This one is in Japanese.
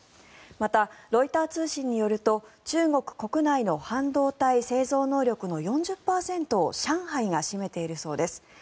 またロイター通信によると中国国内の半導体製造能力の４０％以上を上海が占めているそうです。